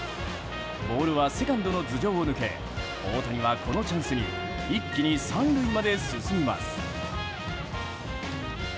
ボールはセカンドの頭上を抜け大谷は、このチャンスに一気に３塁まで進みます。